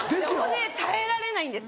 横で耐えられないんです。